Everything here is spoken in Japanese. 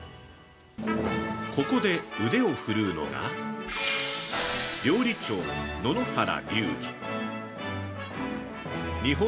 ここで腕を振るうのが、料理長・野々原龍二。